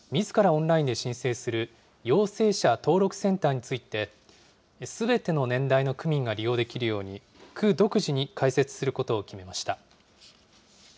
オンラインで申請する、陽性者登録センターについて、すべての年代の区民が利用できるように、区独自に開設することを決めました。